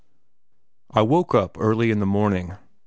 I woke very early in the morning.